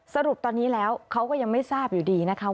สรุปตอนนี้แล้วเขาก็ยังไม่ทราบอยู่ดีนะคะ